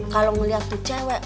kalo ngeliat tuh cewek